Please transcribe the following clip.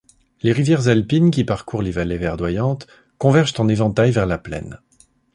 Les rivières alpines qui parcourent les vallées verdoyantes convergent en éventail vers la plaine.